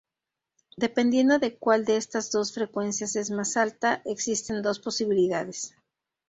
Dependiendo de cuál de estas dos frecuencias es más alta, existen dos posibilidades.